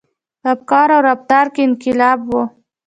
• په افکارو او رفتار کې انقلاب و.